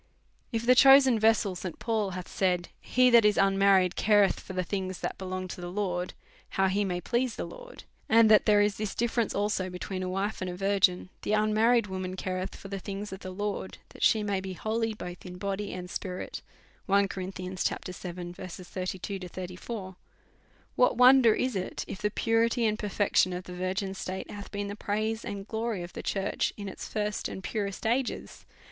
If the chosen vessel St. Paul hath said. He that is unmarried careth for the things that belong to the Lord, hoio he may please the Lord ; and there is this difference also between a wife and a virgin ; the un married woman careth for the things of the Lord, that she may be holy both in body and spirit ; what wonder is it, if the purity and perfection of the virgin state have been the praise and glory of the church in its first and purest ages